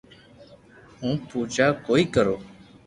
ھون پوجا ڪوئيي ڪرو